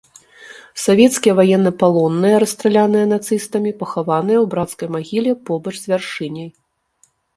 Савецкія ваеннапалонныя, расстраляныя нацыстамі пахаваныя ў брацкай магіле побач з вяршыняй.